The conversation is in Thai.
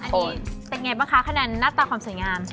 เป็นอย่างไรบ้างคะคะแนนหน้าตาความสวยงาม